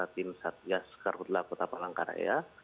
tim satgas karhutla kota palangkaraya